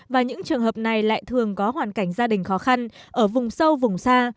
và những trường hợp này lại thường có hoàn cảnh gia đình khó khăn ở vùng sâu vùng xa